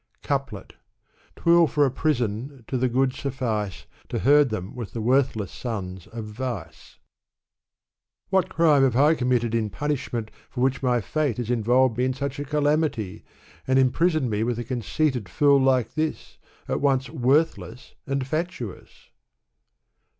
Couplet. Twill for a prison to the good suffice. To herd them with the worthless sons of vice. What crime have I committed in punishment for which my fate has involved me in such a calamity, and im prisoned me with a conceited fool like this, at once worthless and fatuous